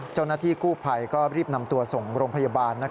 เจ้าหน้าที่กู้ภัยก็รีบนำตัวส่งโรงพยาบาล